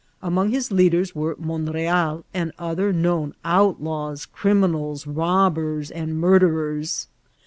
. Among his leaders were Monreal and other known outlaws, criminals, robbers, and murderers.